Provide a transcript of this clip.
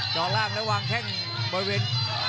ตั้งระหว่างแข้งบอยวิน